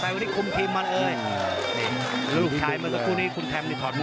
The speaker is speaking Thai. พี่น้องอ่ะพี่น้องอ่ะพี่น้องอ่ะพี่น้องอ่ะ